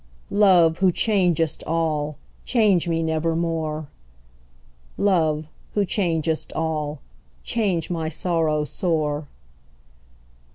Love, who changest all, change me nevermore! "Love, who changest all, change my sorrow sore!"